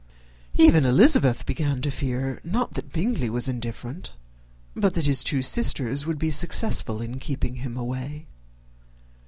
Even Elizabeth began to fear not that Bingley was indifferent but that his sisters would be successful in keeping him away.